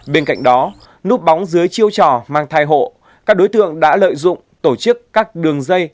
bên cạnh đó núp bóng dưới chiêu trò mang thai hộ các đối tượng đã lợi dụng tổ chức các đường dây